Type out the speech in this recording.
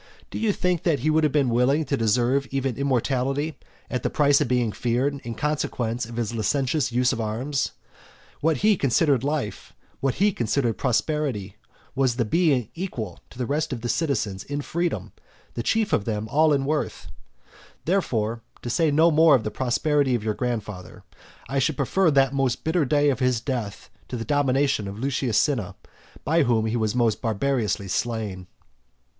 Do you think that he would have been willing to deserve even immortality, at the price of being feared in consequence of his licentious use of arms? What he considered life, what he considered prosperity, was the being equal to the rest of the citizens in freedom, and chief of them all in worth. Therefore, to say no more of the prosperity of your grandfather, I should prefer that most bitter day of his death to the domination of Lucius Cinna, by whom he was most barbarously slain.